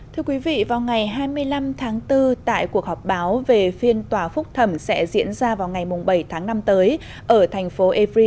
thưa quý vị vào ngày hai mươi năm tháng bốn tại cuộc họp báo về phiên tòa phúc thẩm sẽ diễn ra vào ngày bảy tháng năm tới ở thành phố evry